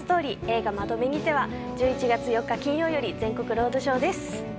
映画『窓辺にて』は１１月４日金曜より全国ロードショーです。